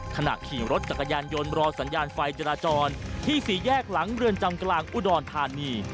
ขณะขี่รถจักรยานยนต์รอสัญญาณไฟจราจรที่สี่แยกหลังเรือนจำกลางอุดรธานี